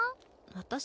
私